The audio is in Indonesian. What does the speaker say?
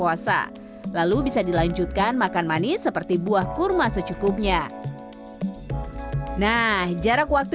dua suatu potensi yang niemang dalam hal khawri dua suatu zorang diaret coopi nah jarak waktu